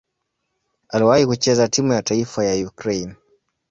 Aliwahi kucheza timu ya taifa ya Ukraine.